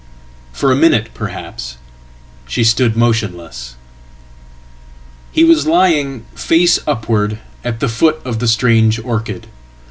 For a minute, perhaps, she stood motionless. He was lying, face upward, at the foot of the strange orchid.